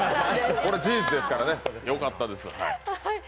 これ事実ですからね、よかったです